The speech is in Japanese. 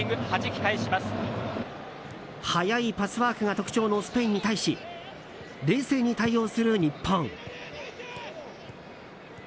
速いパスワークが特徴のスペインに対し冷静に対応する日本。